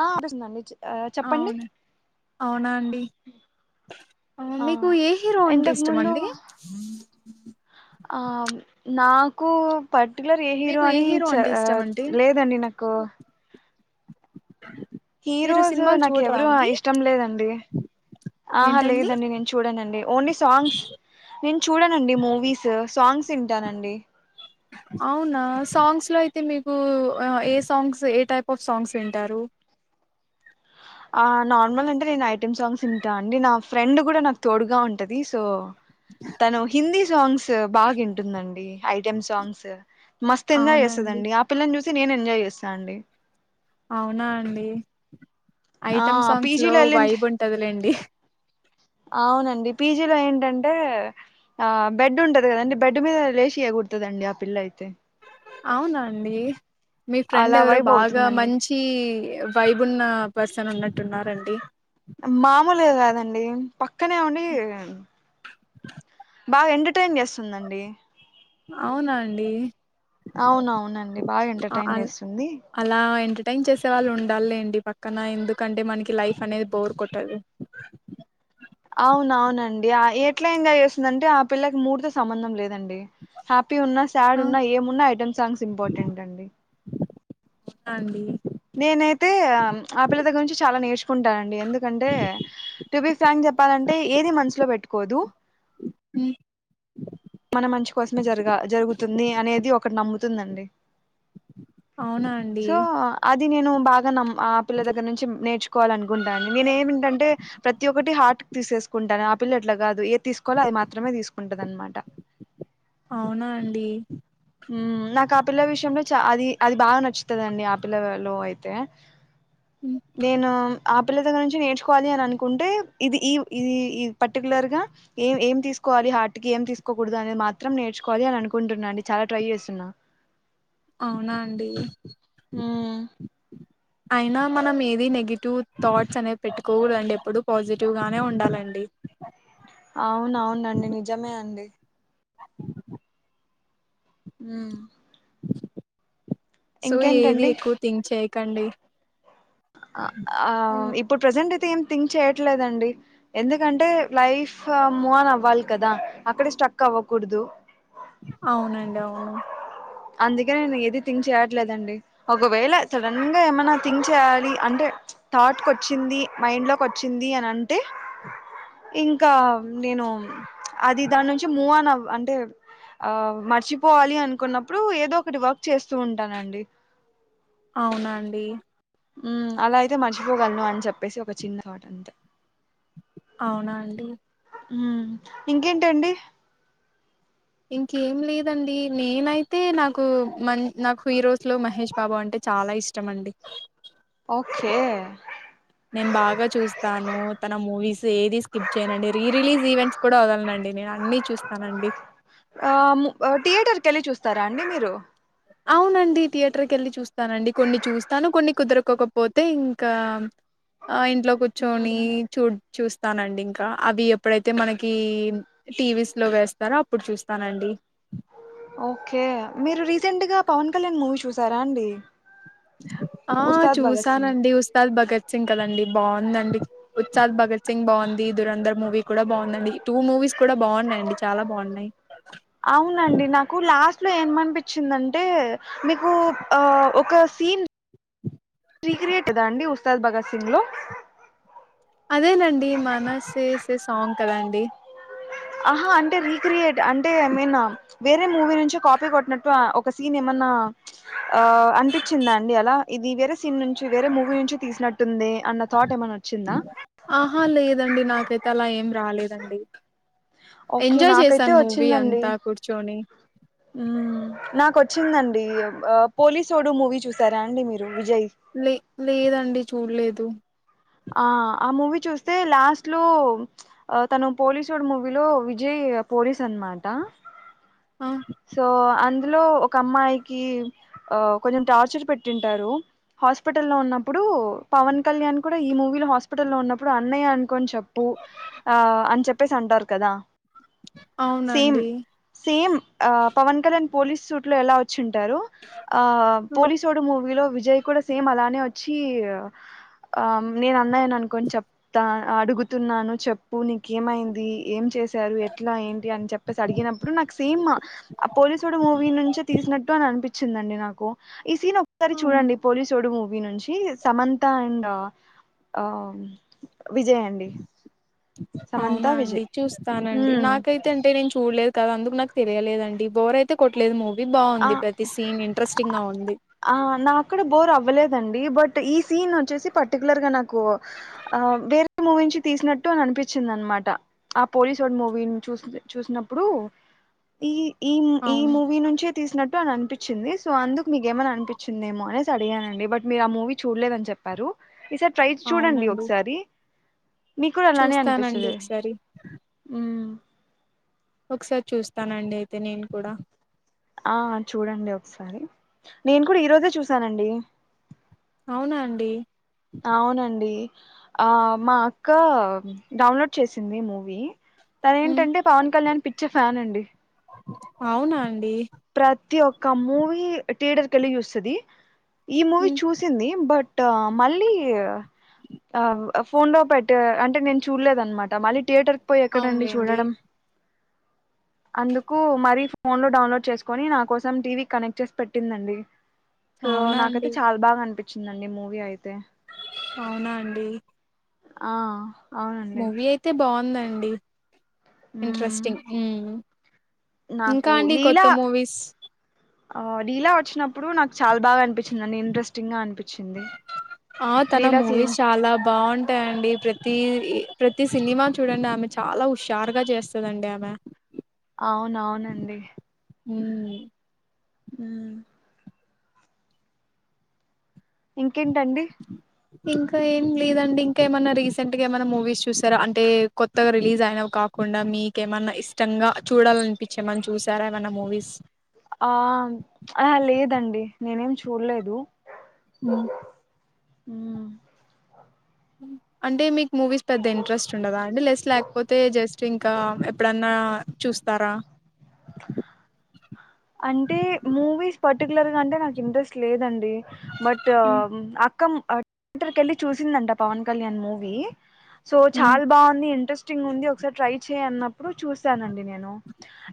ఆ [unintelligible] చెప్పండి అవున అండి ఆ మీకు ఏ హీరో అంటే ఇంతకు ఇష్టం ముందు అండి ఆ నాకు పట్ పర్టిలర్ ఏ హీరో మీకు అని ఆ అంటే ఇష్టం చ అండి లేదండి నాకు మీరు హీరోస్ సినిమాలు నాకు చూడరా ఎవరు అండి ఇష్టం లేదండి ఆహా ఏంటండి లేదండి నేను చూడనండి ఓన్లీ సాంగ్స్ నేను చూడనండి మూవీస్ సాంగ్స్ ఇంట నండి అవునా సాంగ్స్లో అయితే మీకు ఏ సాంగ్స్ ఏ టైప్ ఆఫ్ సాంగ్స్ వింటారు ఆ నార్మల్ అంటే నేను ఐటెమ్ సాంగ్స్ ఇంటా అండి నా ఫ్రెండ్ కూడా నాకు తోడుగా ఉంటది సో తను హిందీ సాంగ్స్ తు బాగా ఇన్టుందండి ఐటెమ్ సాంగ్స్ మస్త్ ఎంజాయ్ చేస్తది అండి ఆ పిల్లను చూసి నేను ఎంజాయ్ చేస్తా అండి అవునా అండి ఆ ఐటమ్ సాంగ్స్ లో పీజిలో ఏళ్ళింది వైబ్ ఉంటదిలేండి అవునండి పీజి జిలో ఏంటంటే ఆ బెడ్ ఉంటది కదండి బెడ్ మీద లేషి ఎగురుతదండి ఆ పిల్ల అయితే అవునాండి మీ ఫ్రెండ్ అలా ఎవరో వైబ్ బాగా అవుతుందండి మంచి వైబున్న పర్సన్ ఉన్న అంటున్నారండి మామూలే కాదండి పక్కనే ఉండి బాగా ఎంటర్టైన్ చేస్తుందండి అవునా అండి అవునవునండి బాగా ఎంటర్టైన్ చేస్తుంది అలా ఎంటర్టైన్ చేసే వాళ్ళు ఉండాలేండి పక్క కన ఎందుకంటే మనకి లైఫ్ అనేది బోర్ కొట్టదు అవును అవునండి అ ఎట్లా ఎంజాయ్ చేస్తుందంటే ఆ పిల్లకి మూడు తో సంబంధం లేదండి హ్యాపీ ఉన్నా సాడ్ ఉన్నా అవునా ఏమున్నా ఐటమ్ సాంగ్స్ ఇంపార్టెంట్ అండి అవునా అండి నేనైతే ఆపిల్ల దగ్గరరించి చాలా నేర్చుకుంటాను ఎందుకంటే ట్యూబి ప్రాంక్ చెప్పాలంటే ఏది మనసులో పెట్టుకోదు మన మంచి కోసమే జరగా జరుగుతుంది అనేది ఒకటి నమ్ము తుందండి అవునా అండి అది నేను బాగా నమ్ ఆ పిల్ల దగ్గర నుంచి నేర్చుకోవాల అనుకుంటా అండి నేను ఏమింటంటే ప్రతి ఒక్కటి హార్ట్ తీసేసుకుంటాను ఆ పిల్ల అట్ల గాదు తీసుకోవాలో అది మాత్రమే తీసుకుంటది అన్మా అవునా అండి ఉ నాకు ఆ పిల్ల విషయంలో చ అది అది బాగా నచ్చుతదండి ఆ పిల్లలో అయితే నేను ఆ పిల్ల దగ్గర నుంచి నేర్చువాలి అని అనుకుంటే ఇది ఈ ఇది పర్టికులర్ గా ఏం ఏమి తీసుకోవాలి హార్ట్ కి ఏం తీసుకో కోకూడదు అనేది మాత్రం నేర్చుకోవాలి అని అనుకుంటున్నా అండి చాలా ట్రై చేస్తున్నా అవునా అండి ఉమ్ అయినా మనం ఏది నెగిటివ్ థాట్స్ అనేది పెట్టుకోకూడదండి ఎప్పుడు పాజిటివ్ గానే ఉండాలండి అవును అవునండి నిజమే అండి మ్మ్ సో ఏది ఇంకేంటండి ఎక్కువ థింగ్ చేయ్ కండి ఆ ఇప్పుడు ప్రెజెంట్ అయి తే ఏం థింక్ చేయట్లేదండి. ఎందుకంటే లైఫ్ మూవ్ ఆన్ అవ్వాలి కదా అక్కడే స్టక్ అవ్వకూడదు అవునండి అవును అందుకే నేను ఏది థింక్ చేయట్లేదండి ఒకవేళ సడన్ గా ఏమైనా థింక్ చేయాలి అంటే థాట్కి వచ్చింది మైండ్ లోకి వచ్చింది అని అంటే ఇంకా నేను అది దాని నుంచి మూవ్ ఆన్ అంటే ఆ మర్చిపోవాలి అనుకున్నప్ ప్పుడు ఏదో ఒకటి వర్క్ చేస్తూ ఉంటానండి అవునండి మ్మ్ అలా అయితే మర్చిపోగలను అని చెప్పేసి ఒక చిన్న థాట్ అంతే అవునా అండి మ్మ్ ఇంకేంటండి ఇంకేం లేదండి నేనైతే నాకు మ నాకు హీరోస్లో మహేష్ బాబు అంటే చాలా ఇష్టం అండి ఓకే నేను బాగా చూస్తాను తన మూవీస్ ఏది స్కిప్ చేయనండి రీ రిలీజ్ ఈవెంట్స్ కూడా వదలనండి నేను అన్ని చూస్తానండి తరా అండి మీరు అవునండి థియేటర్కి వెళ్ళి చూస్తానండి కొన్ని చూస్తాను కొన్ని కుదురకకోపోతే ఇంకా ఆ ఇంట్లో కూర్చొని చూ చూస్ స్తానండి ఇంకా అవి ఎప్పుడైతే మన క టీవీస్ లో వేస్తారో అప్ ఓకే మీరు రీసెంట్ గా పవన్ కళ్యాణ్ మూవీ చూసారా అండి ఆ ఉస్తాద్ భగత్ సింగ్ చూసానండి ఉస్తాద్ భగత్ సింగ్ కదండీ బాగుందండి ఉత్సాద్ భగత్ సింగ్ బాగుంది, దురంధర్ మూవీ కూడా బాగుందండి టూ మూవీస్ కూడా బాగున్నాయి అండి చాలా బాగున్నాయి అవునండి నాకు లాస్ట్ లో ఏమనిపించిందంటే మీకు ఒక సీన్ సీక్రెట్ దా అండి ఉస్తాద్ భగత్ సింగ్ లో అదేనండి మనసే సే సాంగ్ కదా అండి ఆహా అంటే రీక్రియేట్ అంటే ఐ మీన్ వేరే మూవీ నుంచి కాపీ కొట్టినట్టు ఒక సీన్ ఏమన్నా ఆ అనిపించిందా అండి అలా ఇది వేరే సీన్ నుంచి వేరే మూవీ నుంచి తీసినట్ ఆహా లేదండి నాకైతే అలా ఏం రాలేదండి ఓకే ఎంజాయ్ నాకైతే చేశాను మూవీ అంతా కూర్చొని ఉమ్ మ్మ్ నా కోచ్చిందండి పోలీసోడు మూవీ చూసారా అండి మీరు విజయ్ లే లేదండి చూడలేదు తు ఆ ఆ మూవీ చూస్తే లాస్ట్ లో తను పోలీసుడు మూవీలో విజయ్ పోలీస్ అనమాట ఆ సో అందులో ఒక అమ్మాయికి ఆ కొంచెం టార్చర్ పెట్టుంటారు హాస్పిటలో ఉన్నప్పుడు పవన్ కళ్యాణ్ కూడా ఈ మూవీలో హాస్పిటల్లో ఉన్నప్పుడు అన్నయ్య అనుకోని చెప్పు ఆ అని చెప్పేసి అంటారు కదా సేమ్ అవునండి same Pawan Kalyan police suit లో ఎలా వచ్చ చ్చుంటారు ఆ ఆ పోలీసుడు మూవీలో విజయ్ కూడా సేమ్ అలానే వచ్చి నేను అన్నాయని అనుకోని చెప్తా అడుగుతున్నాను చెప్పు నీక ఏమైంది ఏం చేశారు ఎట్లా ఏంటి అని చెప్పేసి అడిగినప్పుడు నాకు సేమ్ ఆ పోలీసుడు మూవీ నుంచే తీసినట్టు అని అనిపించిందండి నాకు ఈ సీన్ ఒక్కసారి అవును చూడండి పోలీసోడు మూవీ వి నుంచి సమంత అండ్ ఆ విజయ్ అండి సమంత అవునా అండి విజయ్ చూస్తానండి ఉమ్, నాకైతే అంటే నేను చూడలేదు కదా అందుకు నాకు తెలియలేదండి బోర్ అయితే కొట్లేదు మూవీ ఆ బాగుంది ప్రతి సీన్ ఇంట్రెస్టింగ్ గా ఉంది ఆ నాకూడా బోరు అవ్వలేదండి ఈ బట్ ఈ సీన్ వచ్చేసి పర్టిక్యులర్ గా నాకు ఆ వేరే మూవీ నుంచి తీసినట్టు అని అనిపించింది అన్నమాట ఆ పోలీసోడు మూవీ ని చూసినప్పుడు ఈ ఈ ఈ అవును మూవీ నుంచి తీసినట్టు అని అనిపించింది సో అందుకు మీకే మయిన అనిపించిందేమో అనేసి అడిగానండి బట్ మీరు ఆ మూవీ చూడలేదు అని చెప్పారు ఈసారి ట్రై చూడండి అవునండి ఒకసారి మీ కూడా ఆలానే చూస్తానండి అనిపిస్తాది ఒకసారి మ్మ్ ఒకసారి చూస్తానండి అయితే నేను కూడా ఆ చూడండి ఒకసారి నేను కూడా ఈ రోజే చూసానండి అవునా అండి అవునండి ఆ మా అక్క డౌన్లోడ్ చేసింది మూవీ తన ఉమ్ ఏంటంటే పవన్ కళ్యాణ్ పిచ్చ ఫ్యాన్ అండి అవునా అండి ప్రత్ తి ఒక్క మూవీ థియేటర్ కి ఎళ్ళి చూస్తది ఈ మూవీ ఉమ్ చూసింది బట్ ట మళ్ళీ ఆవ్ అ ఫోన్ లో పెట్ అంటే నేను చూడలేదనమాట మళ్ళీ థియేటర్ పోయి ఎక్కడండి అవునులేండి చూడడం అందుకు మరి ఫోన్ లో డౌన్లోడ్ చేసు కుని నా కోసం టీవీ కనెక్ట్ చేసి పెట్టిందండి సో అవునా నాకైతే అండి చాలా బాగా అనిపి [unintelligible] మూవి అయితే అవునా అండి ఆ అవునండి మూవీ అయితే బా ఉందండి హ్మ్. ఇంట్రెస్టింగ్ మ్మ్ నాకు ఇంకా అండి కొత్త లీలా మూవీస్ ఆ లీలా వచ్చినప్పుడు నాకు చాలా బాగా అనిపి ఆ తన లీలా మూవీస్ సీన్స్ చాలా బావుంటాయండి ప్రతి ఇ ప్రతి సినిమా చూడండి ఆమె చాలా హుషారుగా చేస్తదండి ఆమె అవున అవునండి మ్మ్ ఉమ్ ఇం కేంటండి ఇంకా ఏం లేదండి ఇంకా ఏమైన్నా రీసెంట్ గా ఏమన్నా మూవీస్ చూసారా అంటే కొత్తగా రిలీజ్ అయినవి కాకుండా మీకేమన్నా ఇష్టంగా చూడాలనిపించి ఏమైనా చూ ఆ ఆహ లేదండి నేనేం చు చూడ్లేదు హ్మ్. మ్మ్ అంటే మీకు మూవీస్ పెద్ద ఇంట్రెస్ట్ ఉండదా అండి లెస్ లేకపోతే జస్ట్ ఇంకా ఎప్పుడన్నా చూస్తారా అంటే మూవీస్ పట్ పర్టికులర్ గా అంటే నాకు ఇంట్రెస్ట్ లేదండి డి బట్ హ్మ్. అక్కం అట్టర్ కెళ్ళి చూసిందంట పవన్ కళ్యాణ్ మూవీ సో హ్మ్. చాలా బాగుంది ఇంట్రెస్ట్ ఇంట్రెస్టింగ్ ఉంది ఒకసారి ట్రై చేయ్ అన్నప్పుడు చూశానండి నేను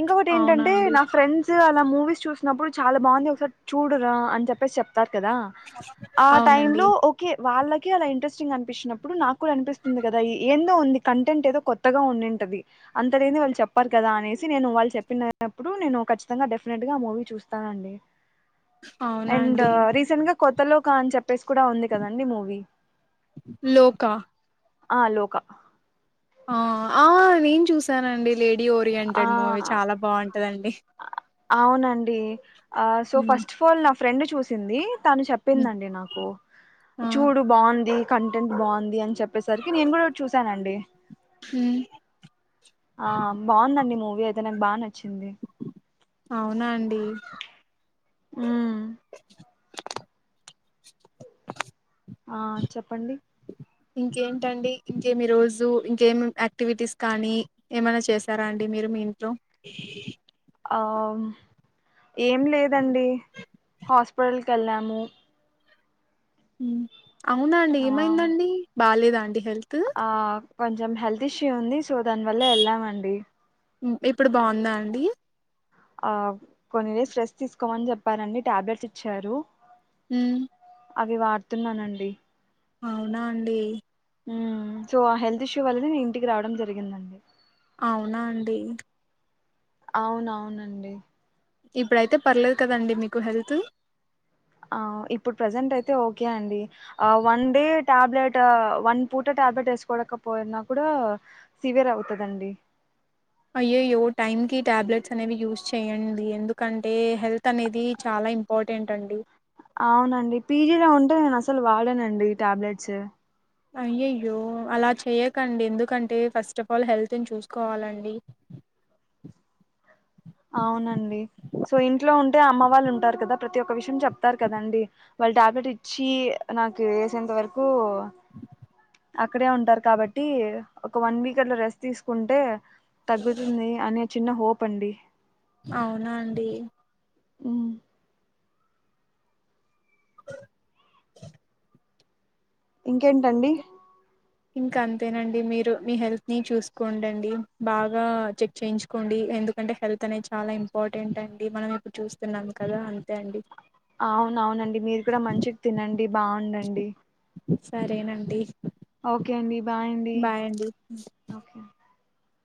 ఇంకొకటి అవునా ఏంటంటే అండి నా ఫ్రెండ్స్ అలా మూవీస్ చూసినప్పుడు చాలా బాగుంది ఒకసారి చూడరా అని చెప్పేసి చెప్తారు కదా ఆ టైం అవునండి లో ఓకే వాళ్ళ [unintelligible] ఇంట్రెస్టింగ్ అని పిచ్చినపుడు నాకు కూడా అనిపిస్తుంది కదా ఏందొ ఉంది కంటెంట్ ఏదో కొత్తగా ఉన్నింటది అంత లేందేవాళ్ళు చెప్పారు కదా అనేసి నేను చెప్పుడు నేను ఖచ్చి కచ్చితంగా డెఫినెట్ గా మూవీ చూస్తానండి అవునా అండ్ అండి రీసెంట్గా కొత్ లోకా అని చెప్పేసి కూడా ఉంది కదండి మూవీ లోకా ఆ లోక ఆ ఆ నేను చూసానండి లే డి ఆ ఓరియంటెడ్ మూవీ చాలా బాగుంటందండి అవున డి సో ఫస్ట్ ఆఫ్ ఆల్ నా ఫ్రెండ్ చూసింది తను హ్మ్ చెప్పిందండి నాకు ఆ చూడు బాగుంది కంటెంట్ బాగుంది అని చెప్పేసరికి నేను కూడా చూ ఇస్తానండి హ ఆ బాగుందండి మూవీ మూవి అయితే నాకు బాగా నచ్చింది అవునా అండి హమ్ ఆ చెప్పండి ఇంకేంటండి ఇంకేమి రోజు ఇంకేమి యాక్టివిటీస్ కానీ ఏమైనా చేసారా అండి మీరు మీ ఇంట్లో ఆవు ఏం లేదండి హాస్పిటల్కి వెళ్ళాము హ అవునా అండి ఆ ఏమైందండి బాలే దాండి హెల్త్ ఆ కొంచెం హెల్త్ ఇష్యూ ఉంది సో దాని వల్ల వెళ్ళామండి ఇప్పుడు బాగుందా అండి ఆ కొన్ని డేస్ రెస్ట్ తీసుకోమని చెప్పారండి టాబ్లెట్స్ ఇచ్చారు హ అవి వాడుతున్నానండి అవునా అండి సో ఆ హెల్త్ ఇష్యూ వల్లనే ఇంటికి రావడం జరిగిందండి అవునా అండి అవునవునండి ఇప్పుడయితే పర్లేదు కదండి మీకు హెల్త్ ఇప్పుడు ప్రజెంట్ అయితే ఓకే అండి వన్ డే టాబ్లెట్ వన్ పూట టాబ్లెట్ వేసుకోడకపోయినా కూడా సివియర్ అవుతుందండి అయ్యోయో టైం కి టాబ్లెట్స్ అనేవి యూస్ చెయ్యండి ఎందుకంటే అంటే హెల్త్ అనేది చాలా ఇంపార్టెంట్ అండి అవునండి పీజీలో ఉంటే నేను అసలు వాడనండి ట్యాబ్లెట్స్ అయ్యయ్యో అలా చేయకండి ఎందుకంటే ఫస్ట్ ఆఫ్ ఆల్ హెల్తను చూసుకోవాలండి అవునండి సో ఇంట్లో ఉంటే అమ్మ వాళ్ళు ఉంటారు కదా ప్రతి ఒక్క విషయం చెప్తారు కదండి వాళ్ళు టాబ్లెట్ ఇచ్చి నాకు వేసేంత వరకు అక్కడే ఉంటారు కాబట్టి ఒక వన్ వీక్ అట్లా రెస్ట్ తీసుకుంటే తగ్గుతుంది అని చిన్న హోప్ అండి. అవునా అండి. ఉమ్ ఇంకేంటండి. ఇంకా అంతేనండి మీరు మీ హెల్త్ ని చూసుకోండండి బాగా చెక్ చేయించుకోండి. ఎందుకంటే హెల్త్ అనేది చాలా ఇంపార్టెంట్ అండి. మనం ఇప్పుడు చూస్తున్నాం కదా అంతే అండి. అవునవునండి మీరు కూడా మంచికి తినండి బాగుండండి. సరేనండి. ఓకే అండి. బాయ్ అండి బాయండి. ఓకే